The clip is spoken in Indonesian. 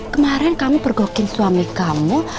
kemarin kamu pergokin suami kamu